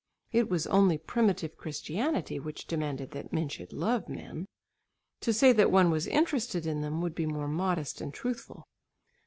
It was only primitive Christianity which demanded that men should love men. To say that one was interested in them would be more modest and truthful.